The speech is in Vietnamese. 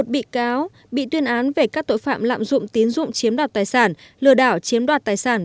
một mươi một bị cáo bị tuyên án về các tội phạm lạm dụng tiến dụng chiếm đoạt tài sản lừa đảo chiếm đoạt tài sản